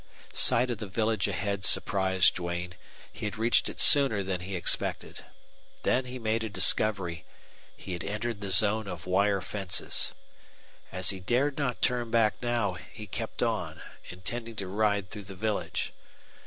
Sight of the village ahead surprised Duane. He had reached it sooner than he expected. Then he made a discovery he had entered the zone of wire fences. As he dared not turn back now, he kept on, intending to ride through the village.